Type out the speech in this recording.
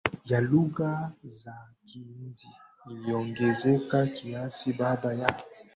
ya lugha za Kihindi iliongezeka kiasi baada ya